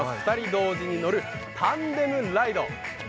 ２人同時に乗るタンデムライド。